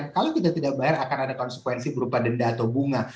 kalau kita tidak bayar akan ada konsekuensi berupa denda atau bunga